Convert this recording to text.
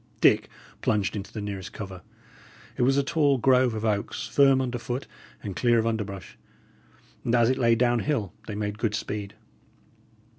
Dick plunged into the nearest cover. It was a tall grove of oaks, firm under foot and clear of underbrush, and as it lay down hill, they made good speed.